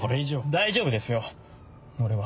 大丈夫ですよ俺は。